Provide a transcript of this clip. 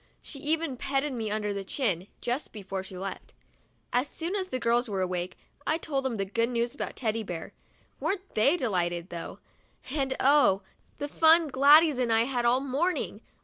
She even petted me under the chin, just before she left. As soon as the girls were awake, I told them the good news about Teddy Bear. Weren't they delighted, though ; and oh ! the fun Gladys and I had all morning